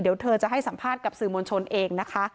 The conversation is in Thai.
เดี๋ยวเธอจะให้สัมภาษณ์กับสื่อมวลชนเองนะคะ